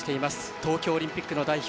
東京オリンピックの代表